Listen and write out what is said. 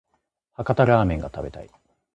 博多ラーメンが食べたい